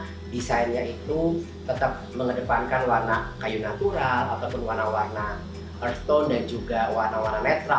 jadi selama desainnya itu tetap mengedepankan warna kayu natural ataupun warna warna earth tone dan juga warna warna yang tidak natural